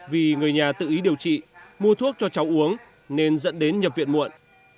vì người nhà tự ý điều trị mua thuốc cho cháu uống nên dẫn đến nhập viện muộn